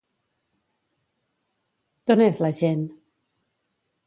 D'on és la gent?